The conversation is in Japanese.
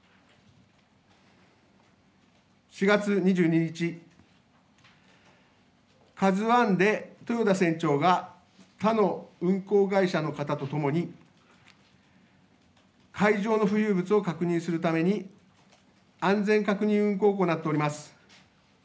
４月２２日、ＫＡＺＵＩで豊田船長が他の運航会社の方とともに海上の浮遊物を確認するために安全確認運航を行っております。